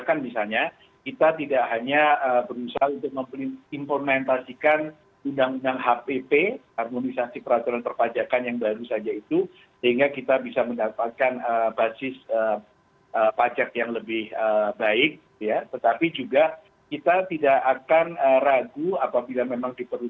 kasihan indonesia newsroom akan segera kembali